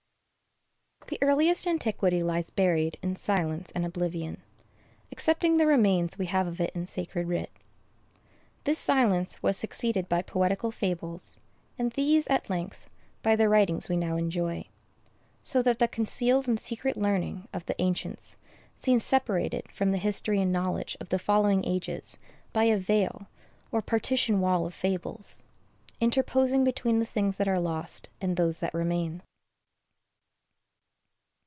The earliest antiquity lies buried in silence and oblivion, excepting the remains we have of it in sacred writ. This silence was succeeded by poetical fables, and these, at length, by the writings we now enjoy; so that the concealed and secret learning of the ancients seems separated from the history and knowledge of the following ages by a veil, or partition wall of fables, interposing between the things that are lost and those that remain.